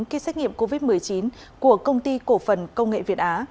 ký xét nghiệm covid một mươi chín của công ty cổ phần công nghệ việt á